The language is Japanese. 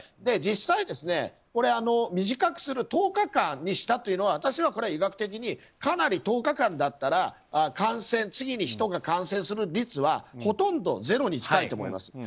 実際、これは短くする１０日間にしたというのは私は医学的にかなり１０日間だったら次に人が感染する率はほとんどゼロに近いと思います。